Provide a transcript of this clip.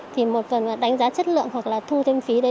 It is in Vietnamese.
thì một phần đánh giá chất lượng hoặc là thu thêm phí đấy